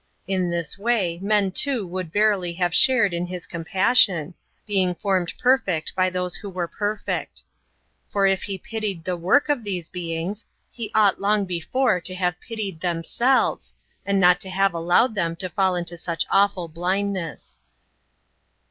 In this way, men too would verily have shared in His compassion, being formed perfect by those that were perfect. For if He pitied the wo7^h of these beings. He ought long before to have pitied themselves, and not to have allowed them to fall into such awful blindness.